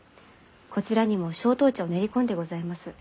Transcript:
こちらにも松濤茶を練り込んでございます。